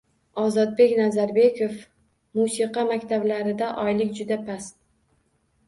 Ozodbek Nazarbekov: Musiqa maktablarida oylik juda past